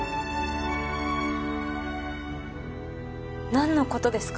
何のことですか？